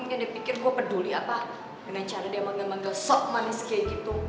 mungkin dia pikir gue peduli apa dengan cara dia manggil manggil sok manis kayak gitu